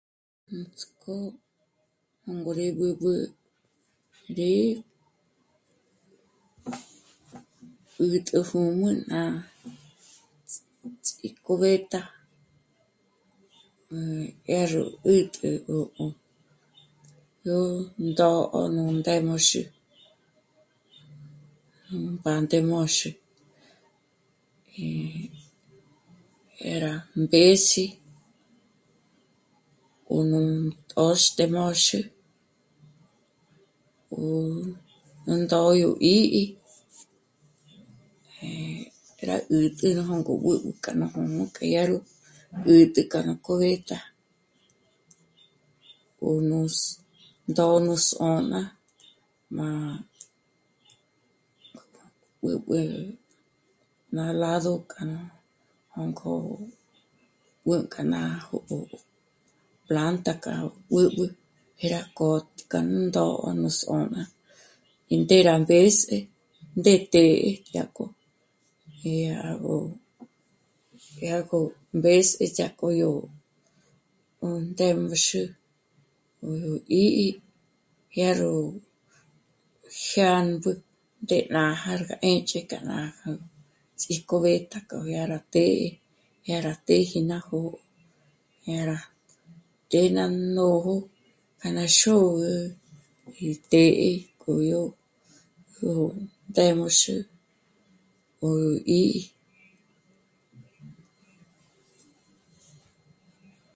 Nutsk'ó 'ôngo rí b'ǚb'ü rí... 'ä̀t'ä jǘm'ü ná ts'... ts'ícubeta m... dyá ró 'ä̀t'ägö yó ndó'o yó ndémoxü, nú pântemoxü í... dyá rá mběs'i ó nú pôxtemoxü ó... ná ndôdyo 'í'i, eh... rá 'ä̀t'ägö jângo b'ǚb'ü k'a nú ngǔm'ü k'a yá ró 'ä̀t'ä k'a nú cubeta ó nus... ó ndó nú s'ôn'a má... b'ǚb'ü maládo k'a nú jônk'o mbǘ k'a ná jò'o plánta k'a gó b'ǚb'ü 'é rá kót' k'a nú ndó'o nú skuá'ma í ndé rá mbés'e ndé té'e dyá'k'o e dyá gó, dyá gó mbés'e dyá'k'o k'o yó 'òndémoxü o yó 'í'i dyá ró jyâmbü ndé nájar gá 'ë́nch'e k'a nú mája ts'ícubeta k'o yá rá té'e dyá rá pë́ji ná jó'o, ñá rá ndé ná nójo k'a ná xôgü í të́'ë k'o yó..., yó ndémoxü ó 'í'i